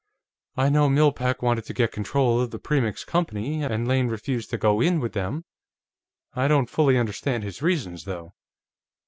"I know Mill Pack wanted to get control of the Premix Company, and Lane refused to go in with them. I don't fully understand his reasons, though."